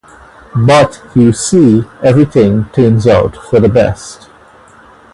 But you see, everything turns out for the best.